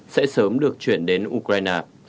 sẽ sớm được chuyển đến ukraine